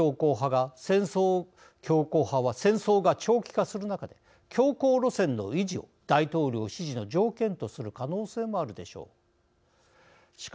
強硬派は戦争が長期化する中で強硬路線の維持を大統領支持の条件とする可能性もあるでしょう。